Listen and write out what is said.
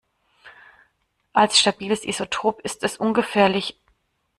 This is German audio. Als stabiles Isotop ist es ungefährlich.